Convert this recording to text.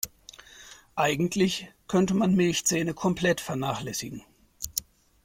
Eigentlich könnte man Milchzähne komplett vernachlässigen.